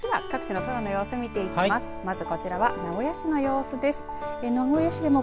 では各地の空の様子、見ていきます。